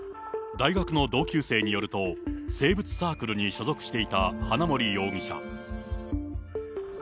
大学の同級生によると、生物サークルに所属していた花森容疑者。